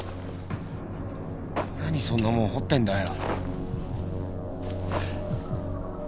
なにそんなもん掘ってんだよ！？